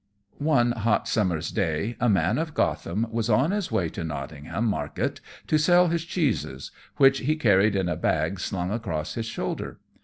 _ One hot summer's day a man of Gotham was on his way to Nottingham market to sell his cheeses, which he carried in a bag slung across his shoulder.